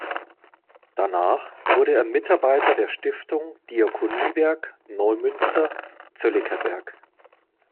Danach wurde er Mitarbeiter der Stiftung Diakoniewerk Neumünster Zollikerberg.